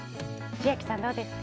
千秋さん、どうですか？